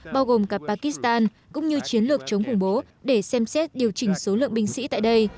bao gồm cả pakistan cũng như chiến lược chống khủng bố để xem xét điều chỉnh số lượng binh sĩ tại đây